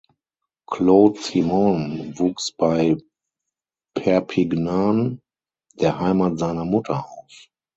Claude Simon wuchs bei Perpignan, der Heimat seiner Mutter, auf.